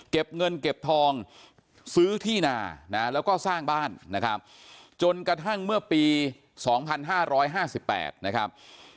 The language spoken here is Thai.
เงินเก็บทองซื้อที่นานะแล้วก็สร้างบ้านนะครับจนกระทั่งเมื่อปี๒๕๕๘นะครับ